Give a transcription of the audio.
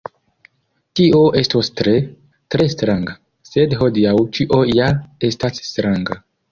Tio estos tre, tre stranga, sed hodiaŭ ĉio ja estas stranga.”